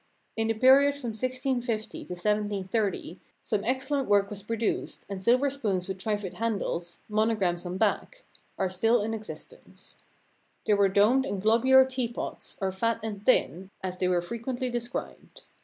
Intheperiod from 1650 to 1730, some excellent work was produced and silver spoons with trifid handles — monograms on back — are still in existence. There were domed and globular tea pots, or fat and thin, as they were frequently described.